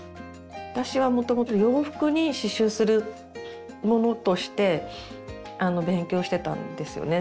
私はもともと洋服に刺しゅうするものとして勉強してたんですよね。